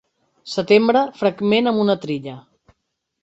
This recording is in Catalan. Setembre, fragment, amb una trilla.